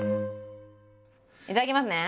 いただきますね。